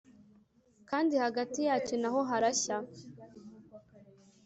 kandi hagati yacyo na ho harashya